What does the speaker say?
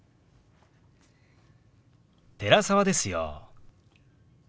寺澤ですよ！